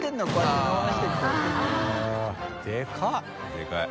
でかい！